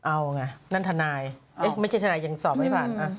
เอาไงนั่นทนายไม่ใช่ทนายยังสอบไม่ผ่าน